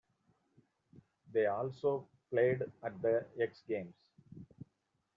They also played at the X-Games.